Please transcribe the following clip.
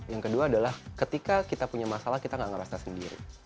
yang kedua adalah ketika kita punya masalah kita gak ngerasa sendiri